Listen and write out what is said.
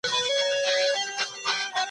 لومړی استازی د ټولو لپاره یوه بیلګه وه.